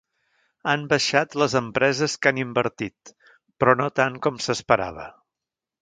Han baixat les empreses que han invertit, però no tant com s’esperava.